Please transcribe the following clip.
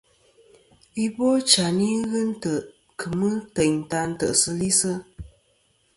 Ibochayn i ghɨ ntè' kemɨ teyn ta tɨsilisɨ.